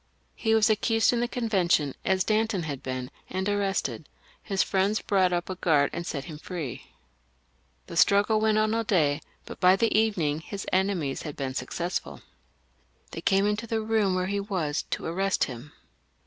He was accused in the Conven tion as Danton had been, and arrested ; his friends brought up a guard and set him free. The struggle went on all day, but by the evening his enemies had been successful. They came into the room where he was, to arrest him.